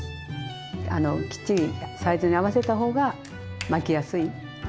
あのきっちりサイズに合わせた方が巻きやすい。